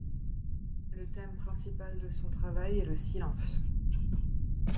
Le thème principal de son travail est le silence.